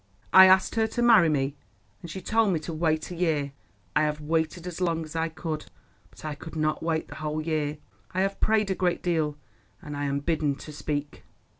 "I asked her to marry me, and she told me to wait a year. I have waited as long as I could, but I could not wait the whole year. I have prayed a great deal, and I am bidden to speak."